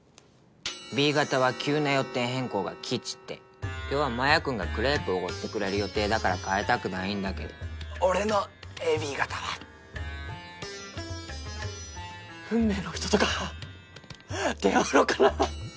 Ｂ型は「急な予定変更が吉」って今日はマヤ君がクレープおごってくれる予定だから変えたくないんだけど俺のＡＢ型は運命の人とか出会うのかな？